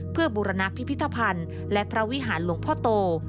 เพื่อบูรณพิพิธภัณฑ์และพระวิหารหลวงพ่อโต